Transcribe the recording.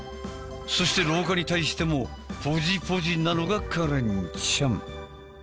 そして老化に対してもポジポジなのがカレンちゃん。